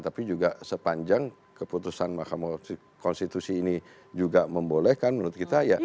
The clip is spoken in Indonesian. tapi juga sepanjang keputusan mahkamah konstitusi ini juga membolehkan menurut kita ya